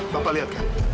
bapak lihat kan